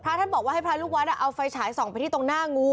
ท่านบอกว่าให้พระลูกวัดเอาไฟฉายส่องไปที่ตรงหน้างู